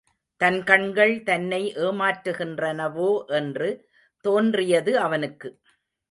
தன் கண்கள் தன்னை ஏமாற்றுகின்றனவோ என்று தோன்றியது அவனுக்கு.